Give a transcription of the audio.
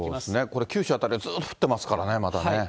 これ、九州辺りはずっと降ってますからね、まだね。